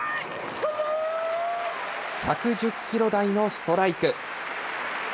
１１０キロ台のストライク。